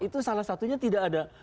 itu salah satunya tidak ada